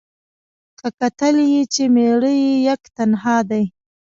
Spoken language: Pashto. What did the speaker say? که کتل یې چي مېړه یې یک تنها دی